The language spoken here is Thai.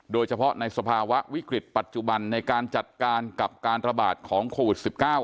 โดยเฉพาะในสภาวะวิกฤตปัจจุบันในการจัดการกับการระบาดของโควิด๑๙